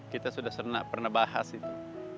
kita sudah pernah bahas itu